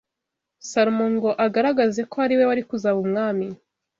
Salomo ngo agaragaze ko ari we wari kuzaba umwami